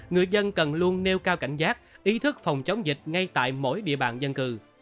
người dân cần luôn nêu cao cảnh giác ý thức phòng chống dịch ngay tại mỗi địa bàn dân cư